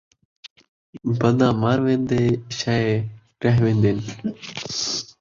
بندہ مر ویندے ، شئیں رہ ویندین